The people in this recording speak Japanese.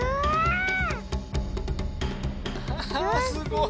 あすごい。